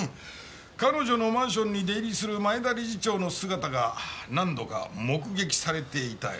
彼女のマンションに出入りする前田理事長の姿が何度か目撃されていたよ。